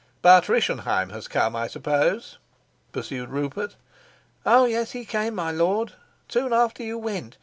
"But Rischenheim has come, I suppose?" pursued Rupert. "Oh, yes; he came, my lord, soon after you went.